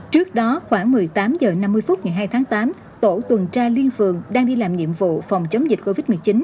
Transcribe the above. trước đó khoảng một mươi tám h năm mươi phút ngày hai tháng tám tổ tuần tra liên phường đang đi làm nhiệm vụ phòng chống dịch covid một mươi chín